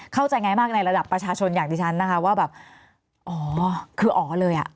เข้าใจไงมากในระดับประชาชนอย่างที่ฉันนะคะว่าแบบอ๋อคืออ๋อเลยอ่ะ